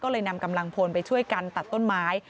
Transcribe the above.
ก็เลยนำกำลังพลไปช่วยกันตัดต้นไม้